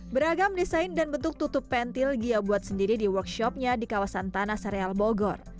beragam desain dan bentuk tutup pentil gia buat sendiri di workshopnya di kawasan tanah sereal bogor